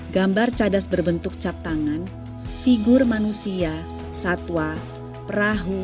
gambar cadas berbentuk cap tangan figur manusia satwa perahu